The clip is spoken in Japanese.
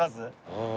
うん。